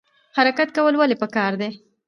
حرکت کول ولې پکار دي؟